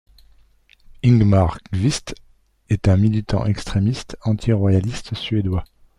Ingmar Qvist est un militant extrémiste anti-royaliste suédois.